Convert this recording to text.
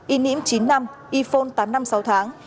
y ním chín năm y phon tám năm sáu tháng